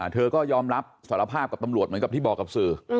เธอก็ยอมรับสารภาพกับตำรวจเหมือนกับที่บอกกับสื่อ